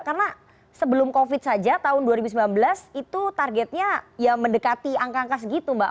karena sebelum covid saja tahun dua ribu sembilan belas itu targetnya ya mendekati angka angka segitu mbak